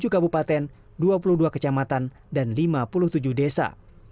tiga puluh dua kecamatan dan lima puluh tujuh desa